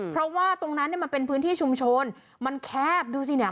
เพราะว่าตรงนั้นเนี่ยมันเป็นพื้นที่ชุมชนมันแคบดูสิเนี่ย